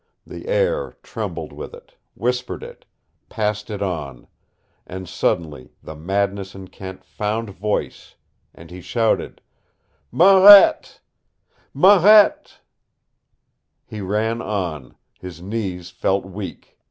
The air trembled with it, whispered it, passed it on and suddenly the madness in Kent found voice, and he shouted, "Marette Marette " He ran on. His knees felt weak.